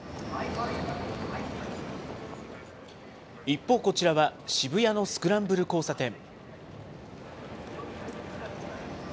一方、こちらは渋谷のスクランブル交差点。